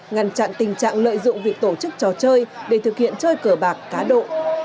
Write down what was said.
ngăn chặn tình trạng lợi dụng việc tổ chức trò chơi để thực hiện chơi cờ bạc cá độ